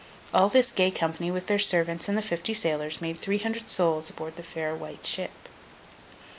All this gay company, with their servants and the fifty sailors, made three hundred souls aboard the fair White Ship.